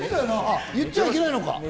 言っちゃいけないのか。